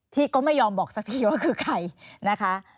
ที่ก็ไม่ยอมบอกสักทีว่าคือใครนะคะ